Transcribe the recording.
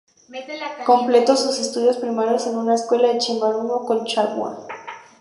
Completó sus estudios primarios en una escuela de Chimbarongo, Colchagua.